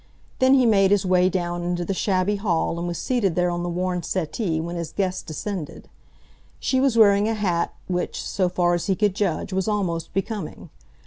Then he made his way down into the shabby hall and was seated there on the worn settee when his guest descended. She was wearing a hat which, so far as he could judge, was almost becoming.